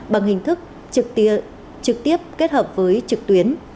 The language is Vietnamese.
bằng hình thức trực tiếp kết hợp với trực tuyến